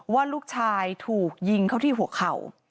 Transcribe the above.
ว่าลูกชายถูกยิงเข้าที่หัวเข่า